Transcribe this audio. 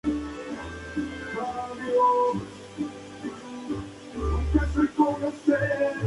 Morales fue el primer compositor español de fama internacional.